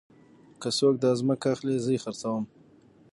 که څوک داځمکه اخلي زه يې خرڅوم.